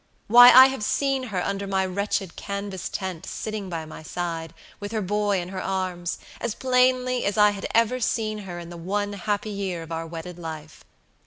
Why, I have seen her under my wretched canvas tent sitting by my side, with her boy in her arms, as plainly as I had ever seen her in the one happy year of our wedded life.